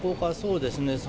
そうですね、はい。